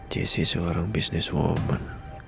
jessi seorang business woman